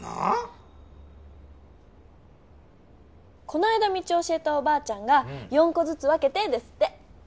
この間道を教えたおばあちゃんが「４こずつ分けて」ですって。